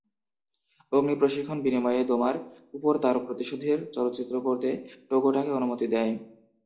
অগ্নি প্রশিক্ষণ বিনিময়ে দোমার উপর তার প্রতিশোধের চলচ্চিত্র করতে টোগাটাকে অনুমতি দেয়।